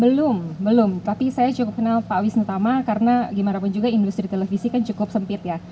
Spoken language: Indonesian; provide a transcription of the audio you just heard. belum belum tapi saya cukup kenal pak wisnu tama karena gimana pun juga industri televisi kan cukup sempit ya